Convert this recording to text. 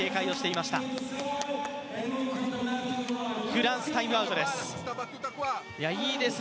フランス、タイムアウトです。